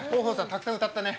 たくさん歌ったね。